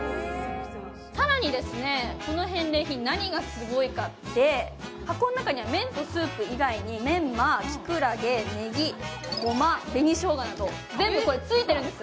更に、この返礼品、何がすごいかって箱の中には麺とスープ以外に、メンマやきくらげ、ねぎ、ごま、紅しょうがなど全部ついてるんです。